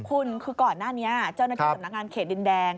คุณคือก่อนหน้านี้เจ้านักงานเขตดินแดง